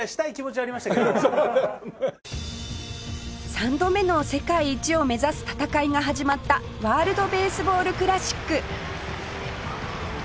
３度目の世界一を目指す戦いが始まったワールドベースボールクラシック